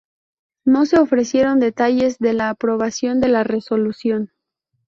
No se ofrecieron detalles de la aprobación de la resolución.